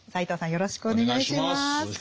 よろしくお願いします。